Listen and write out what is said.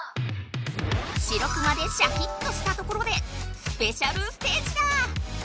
しろくまでシャキッとしたところでスペシャルステージだ！